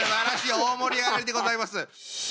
大盛り上がりでございます。